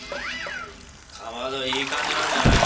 かまどいい感じなんじゃない？